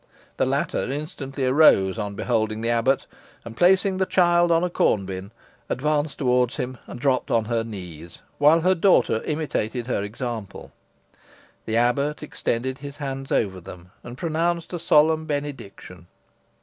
The latter instantly arose on beholding the abbot, and, placing the child on a corn bin, advanced towards him, and dropped on her knees, while her daughter imitated her example. The abbot extended his hands over them, and pronounced a solemn benediction.